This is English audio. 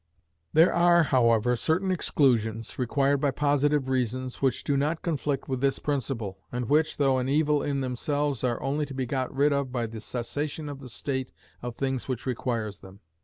There are, however, certain exclusions, required by positive reasons, which do not conflict with this principle, and which, though an evil in themselves, are only to be got rid of by the cessation of the state of things which requires them.